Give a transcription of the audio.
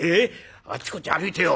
あっちこっち歩いてよ